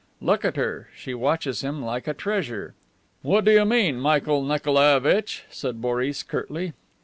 "Look at her. She watches him like a treasure." "What do you mean, Michael Nikolaievitch?" said Boris, curtly.